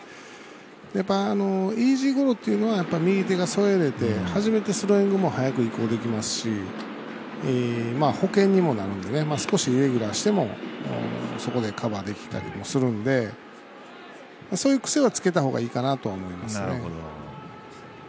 やっぱりイージーゴロっていうのは右手が添えれて初めてスローイングも移行できますし保険にもなるので少しイレギュラーしてもそこでカバーできたりもするのでそういう癖はつけたほうがいいかなと思いますね。